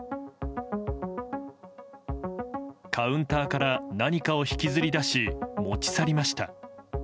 カウンターから何かを引きずり出し持ち去りました。